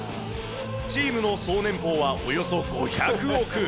チームの総年俸はおよそ５００億。